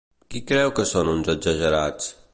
Qui creu que són uns exagerats?